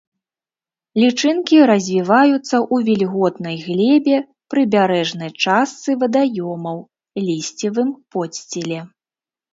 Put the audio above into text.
Лічынкі развіваюцца ў вільготнай глебе, прыбярэжнай частцы вадаёмаў, лісцевым подсціле.